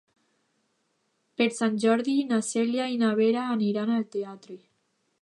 Per Sant Jordi na Cèlia i na Vera aniran al teatre.